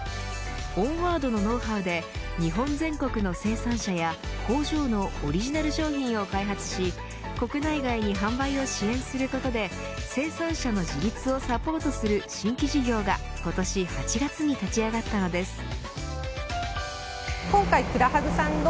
オンワードのノウハウで日本全国の生産者や工場のオリジナル商品を開発し国内外に販売を支援することで生産者の自立をサポートする新規事業が今年８月に立ち上がったのです。